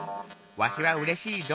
「わしはうれしいぞ」。